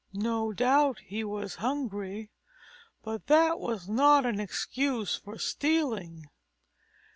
No doubt he was hungry, but that was not an excuse for stealing.